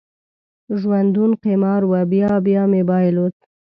ژوندون قمار و، بیا بیا مې بایلود